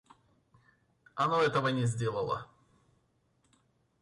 Оно этого не сделало.